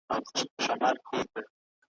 نه په کتاب کي وه چا لوستلي `